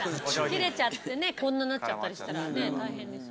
切れちゃってねこんななっちゃったりしたらね大変です。